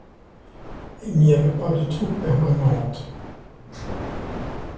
Il n'y avait pas de troupe permanente.